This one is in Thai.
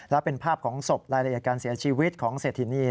และเป็นภาพของศพรายละเอียดการเสียชีวิตของเศรษฐินี